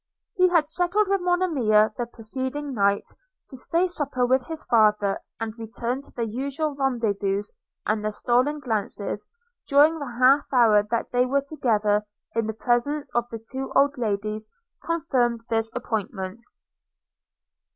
He had settled with Monimia, the preceding night, to stay supper with his father, and return to their usual rendezvous; and their stolen glances during the half hour that they were together, in the presence of the two old ladies, confirmed this appointment.